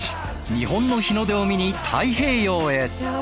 日本の日の出を見に太平洋へ！